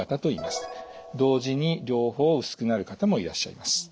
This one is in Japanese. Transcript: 同時に両方薄くなる方もいらっしゃいます。